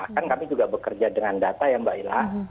kan kami juga bekerja dengan data yang berbeda